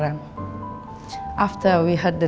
setelah kita denger berita